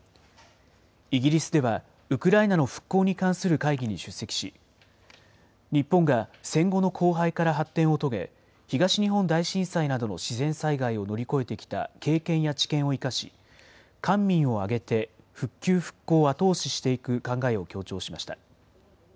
イギリスではウクライナの復興に関する会議に出席し、日本が戦後の荒廃から発展を遂げ、東日本大震災などの自然災害を乗り越えてきた経験や知見を生かし、官民を挙げて復旧・復興を後押ししていく考えを強調しました。